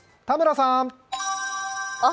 田村さーん。